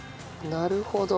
なるほど。